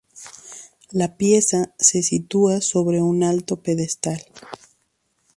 La pieza se sitúa sobre un alto pedestal.